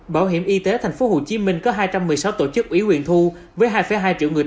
bảo hiểm y tế tp hcm có hai trăm một mươi sáu tổ chức ủy quyền thu với hai hai triệu người